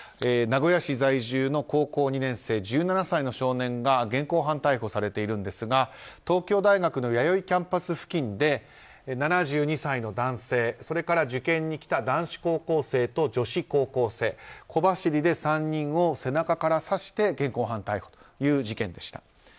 名古屋市在住の高校２年生１７歳の少年が現行犯逮捕されているんですが東京大学の弥生キャンパス付近で７２歳の男性、それから受験に来た男子高校生と女子高校生小走りで３人を背中から刺して現行犯逮捕という事件でした。